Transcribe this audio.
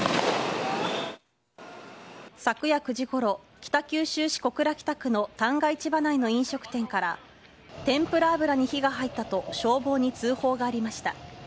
昨夜９時ごろ北九州市小倉北区の旦過市場内の飲食店から天ぷら油に火が入ったと消防に通報がありました。